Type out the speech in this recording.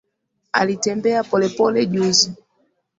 Alitembea pole pole juzi